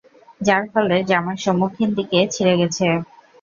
যার ফলে জামার সম্মুখ দিকে ছিড়ে গেছে।